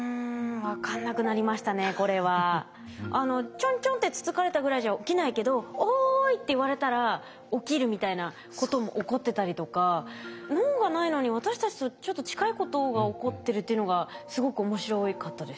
ちょんちょんってつつかれたぐらいじゃ起きないけど「おい」って言われたら起きるみたいなことも起こってたりとか脳がないのに私たちとちょっと近いことが起こってるっていうのがすごく面白かったです。